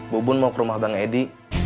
bu bun mau ke rumah bang edi